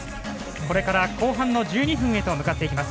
これから後半の１２分へと向かっていきます。